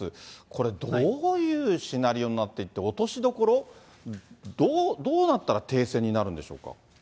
これ、どういうシナリオになっていて、落としどころ、どうなったら停戦になるんでしょうか。